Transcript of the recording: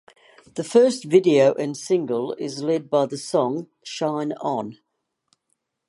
The first video and single is led by the song "Shine On".